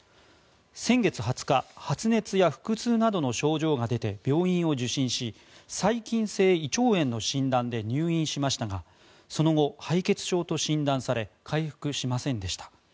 先月２０日発熱や腹痛などの症状が出て病院を受診し細菌性胃腸炎の診断で入院しましたがその後、敗血症と診断され回復しませんでした。